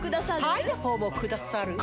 パイナポーもくださるぅ？